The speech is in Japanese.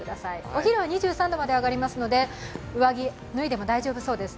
お昼は２３度まで上がりますので上着、脱いでも大丈夫そうです。